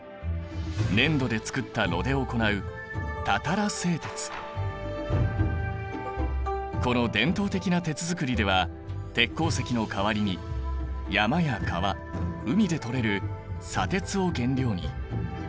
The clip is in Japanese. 粘土で作った炉で行うこの伝統的な鉄づくりでは鉄鉱石の代わりに山や川海でとれる砂鉄を原料に。